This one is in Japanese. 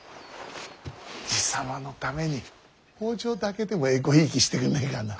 爺様のために北条だけでもえこひいきしてくんねえかなあ。